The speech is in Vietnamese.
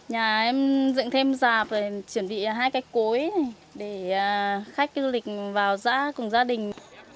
nhà em dựng thêm dạp chuẩn bị hai cái cối để khách du lịch vào giá cùng gia đình